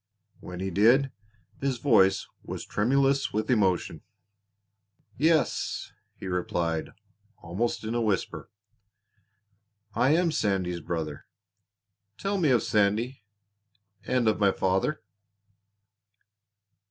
When he did his voice was tremulous with emotion. "Yes," he replied almost in a whisper. "I am Sandy's brother. Tell me of Sandy and of my father."